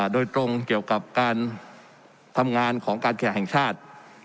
โดยตรงเกี่ยวกับการทำงานของการแข่งชาติ